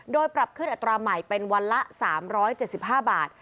โดยปรับขึ้นอัตราใหม่เป็นวันละ๓๗๕บาท